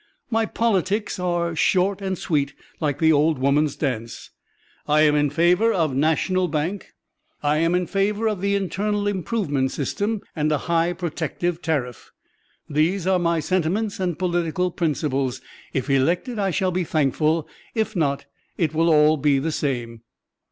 My politics are "short and sweet" like the old woman's dance. I am in favor of national bank. I am in favor of the internal improvement system, and a high protective tariff. These are my sentiments and political principles. If elected, I shall be thankful; if not, it will be all the same.'"